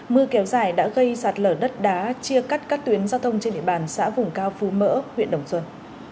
mưa kéo dài đã gây sạt lở đất đá chia cắt các tuyến giao thông trên địa bàn xã vùng cao phú mỡ huyện đồng xuân